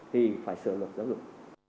thì phải sửa luật giáo dục